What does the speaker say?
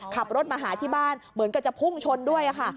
ขับรถมาหาที่บ้านเหมือนกับจะพุ่งชนด้วยค่ะ